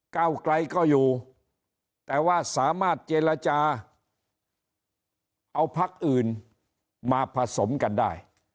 เก้าไกลก็อยู่แต่ว่าสามารถเจรจาเอาพักอื่นมาผสมกันได้